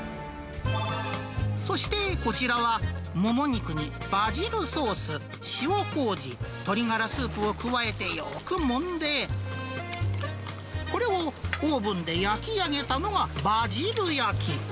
そしてこちらは、モモ肉にバジルソース、塩こうじ、鶏ガラスープを加えてよくもんで、これをオーブンで焼き上げたのがバジル焼き。